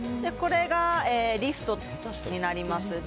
これがリフトになります。